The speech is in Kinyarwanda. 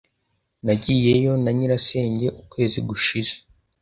Nagiyeyo na nyirasenge ukwezi gushize.